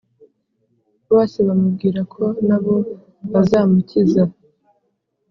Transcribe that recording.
bose bamubwira ko na bo bazamukiza.